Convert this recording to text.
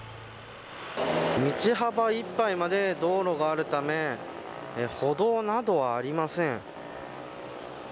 道幅いっぱいまで道路があるため歩道などはありません。